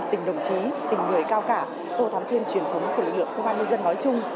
thậm chí tình người cao cả tô thám thêm truyền thống của lực lượng công an nhân dân nói chung